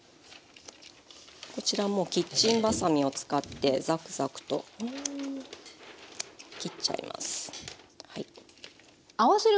こちらもうキッチンばさみを使ってザクザクと切っちゃいます。